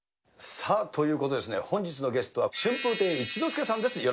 さあ、ということでございまして、本日のゲストは春風亭一之輔さんです。